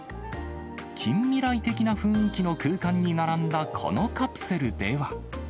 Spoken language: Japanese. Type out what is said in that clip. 近未来的な雰囲気の空間に並んだこのカプセルでは。